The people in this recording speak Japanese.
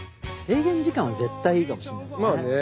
制限時間は絶対いいかもしれないですね。